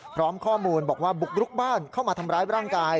พร้อมข้อมูลบอกว่าบุกรุกบ้านเข้ามาทำร้ายร่างกาย